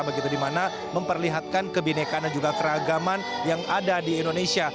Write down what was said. begitu dimana memperlihatkan kebinekan dan juga keragaman yang ada di indonesia